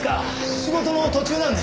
仕事の途中なんで。